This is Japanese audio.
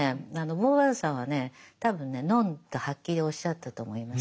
ボーヴォワールさんはね多分ねノンとはっきりおっしゃったと思います。